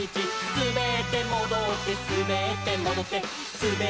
「すべってもどってすべってもどって」